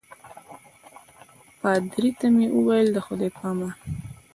پادري ته مې وویل د خدای په امان.